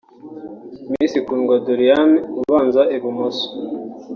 Miss Kundwa Doriane (ubanza i bumoso)